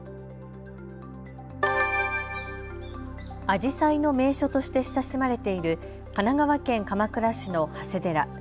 あじさいの名所として親しまれている神奈川県鎌倉市の長谷寺。